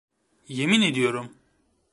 Yemin ediyorum.